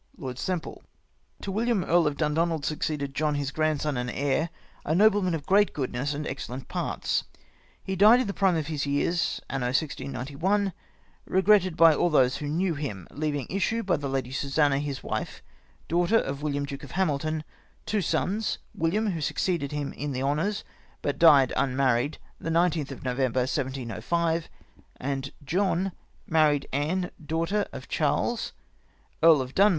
" Lord Semple. " To William Earl of Dundonald succeeded John his Grandson and Heir, a nobleman of great Goodness and ex cellent Parts ; he dyed in the prime of his Years, Anno 1691, regrated by all those who knew him, leaving Issue by the Lady Susanna his Wife, Daughter of William Duke of Hamilton, two Sons, William who succeeded in the Honours, but dyed unmarried the 19th of November 1705. And " John married Anne Daughter of Charles Earl of Dun • ACCOUNT OF THE DUNDONALD FAJIILY.